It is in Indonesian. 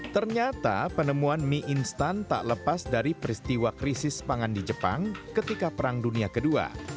ternyata penemuan mie instan tak lepas dari peristiwa krisis pangan di jepang ketika perang dunia ii